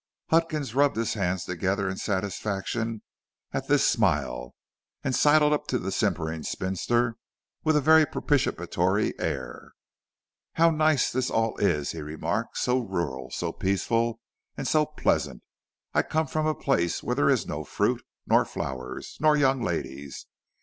Huckins rubbed his hands together in satisfaction at this smile, and sidled up to the simpering spinster with a very propitiatory air. "How nice this all is," he remarked. "So rural, so peaceful, and so pleasant. I come from a place where there is no fruit, nor flowers, nor young ladies.